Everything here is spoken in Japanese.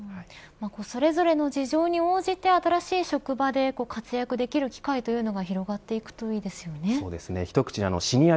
それぞれの事情に応じて新しい職場で活躍できる機会というのが広がっていくといいですよね。